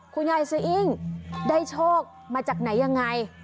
คุณยายสะอิ้งได้โชคมาจากไหนยังไง